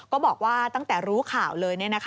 ก็บอกว่าตั้งแต่รู้ข่าวเลย